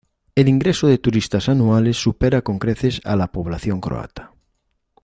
El ingreso de turistas anuales supera con creces a la población croata.